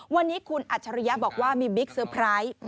วันนี้คุณอัจฉริยะบอกว่ามีบิ๊กเซอร์ไพรส์